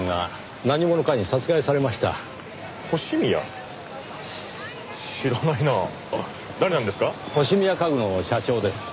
星宮家具の社長です。